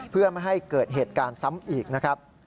เพื่อไม่ให้เกิดเหตุการณ์ซ้ำอีกนะครับ